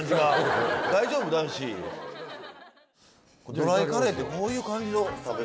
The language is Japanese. ドライカレーってこういう感じの。